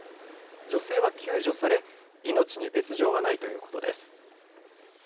女性は救助され命に別状はないということです。